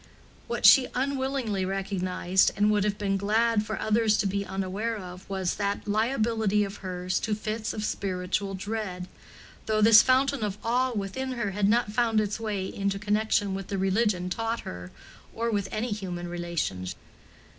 What she unwillingly recognized, and would have been glad for others to be unaware of, was that liability of hers to fits of spiritual dread, though this fountain of awe within her had not found its way into connection with the religion taught her or with any human relations.